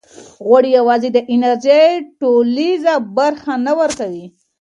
غوړ یوازې د انرژۍ ټولیزه برخه نه ورکوي.